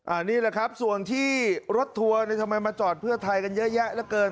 อันนี้แหละครับส่วนที่รถทัวร์ทำไมมาจอดเพื่อไทยกันเยอะแยะเหลือเกิน